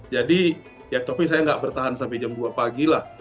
jadi ya tapi saya nggak bertahan sampai jam dua pagi lah